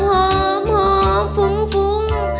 หอมฟุ้งฟุ้ง